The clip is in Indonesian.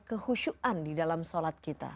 kehusyukan di dalam sholat kita